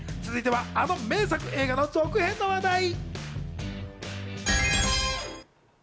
続いては、あの名作映画の続編の話題。